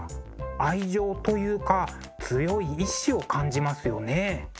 愛情というか強い意志を感じますよね。